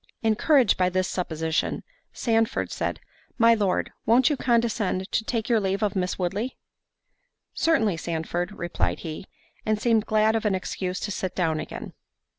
Encouraged by this supposition, Sandford said, "My Lord, won't you condescend to take your leave of Miss Woodley?" "Certainly, Sandford," replied he, and seemed glad of an excuse to sit down again.